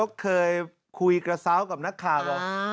เคยคุยกระซ้ากับนักข่ากับบอก